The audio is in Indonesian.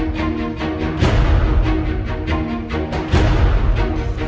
kau dia kau dia apa kenapa